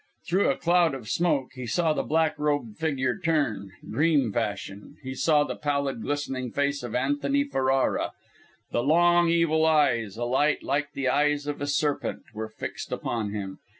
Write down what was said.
Through a cloud of smoke he saw the black robed figure turn; dream fashion, he saw the pallid, glistening face of Antony Ferrara; the long, evil eyes, alight like the eyes of a serpent, were fixed upon him.